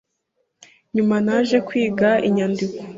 Nyuma naje kwiga inyandiko